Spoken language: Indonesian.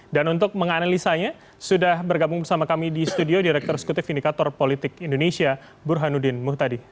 dan untuk menganalisanya sudah bergabung bersama kami di studio direktur sekutif indikator politik indonesia burhanuddin muhtadi